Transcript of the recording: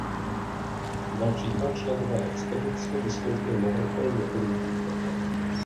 Další dva členové expedice vystoupili na vrchol několik dní poté.